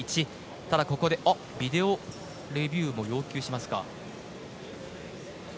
ただ、ここでビデオレビューを要求しますか。